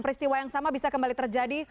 peristiwa yang sama bisa kembali terjadi